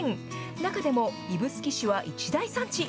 中でも指宿市は一大産地。